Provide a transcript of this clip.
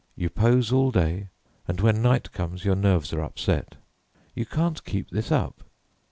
You pose all day, and when night comes your nerves are upset. You can't keep this up.